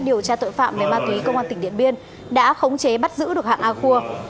điều tra tội phạm về ma túy công an tỉnh điện biên đã khống chế bắt giữ được hạng a khua